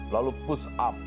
lalu push up